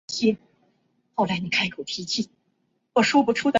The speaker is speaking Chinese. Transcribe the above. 圈内笑话中的成员才能领会到笑点的笑话。